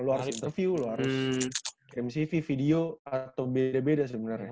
lu harus interview lu harus mcv video atau beda beda sebenernya